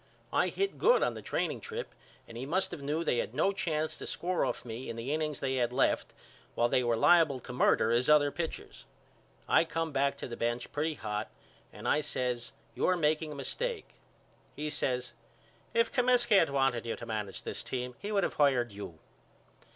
I hit good on the training trip and he must of knew they had no chance to score off me in the innings they had left while they were liable to murder his other pitchers. I come back to the bench pretty hot and I says You're making a mistake. He says If Comiskey had wanted you to manage this team he would of hired you.